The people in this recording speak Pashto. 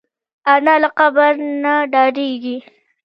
انا له قبر نه ډارېږي